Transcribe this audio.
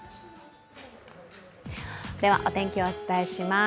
では、お天気、お伝えします。